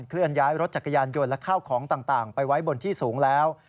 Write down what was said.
เลื่อนย้ายรถจักรยานยนต์และข้าวของต่างไปไว้บนที่สูงแล้ว